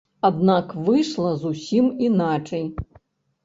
Аднак выйшла зусім іначай.